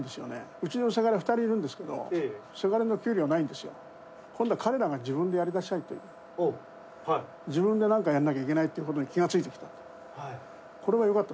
うちのせがれ、２人いるんですけど、せがれの給料ないんですよ。今度は彼らが自分からやりたいと、自分でなんかやらなきゃいけないってことに気が付いてくれた。